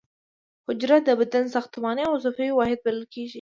حجره د بدن ساختماني او وظیفوي واحد بلل کیږي